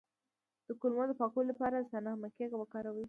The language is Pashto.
د کولمو د پاکوالي لپاره سنا مکی وکاروئ